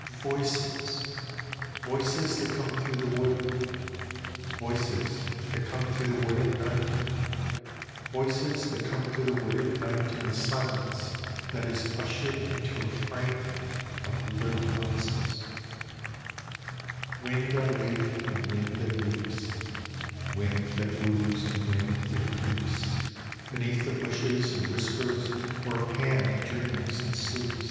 Voices ! Voices that come through the wood, Voices that come through the wood at night, Voices that come through the wood at night in the silence That is ushered into a frame Of little noises : Wind on leaf, and wind that weeps, Wind that woos, and wind that creeps Beneath the bushes and whispers where Pan dreams and sleeps.